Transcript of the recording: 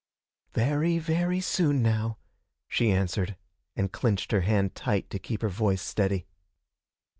'Very, very soon now,' she answered, and clinched her hand tight to keep her voice steady.